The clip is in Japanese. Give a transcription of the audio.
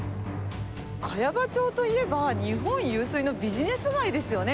茅場町といえば、日本有数のビジネス街ですよね。